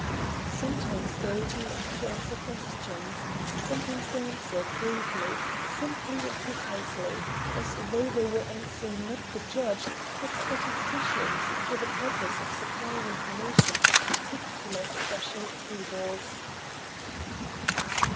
Sometimes they refused to answer questions; sometimes they answered, briefly, simply and precisely, as though they were answering not the judge, but statisticians, for the purpose of supplying information for particular special tables.